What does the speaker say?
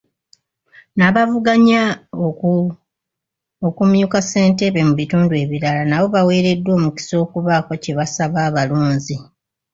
N'abavuganya okumyuka Ssentebe mubitundu ebirala nabo baweereddwa omukisa okubaako kye basaba abalonzi.